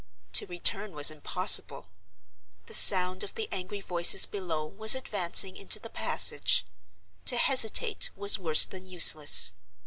To return was impossible—the sound of the angry voices below was advancing into the passage. To hesitate was worse than useless.